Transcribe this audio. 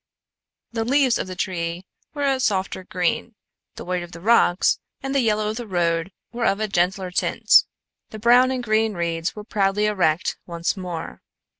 The leaves of the trees were a softer green, the white of the rocks and the yellow of the road were of a gentler tint; the brown and green reeds were proudly erect once more.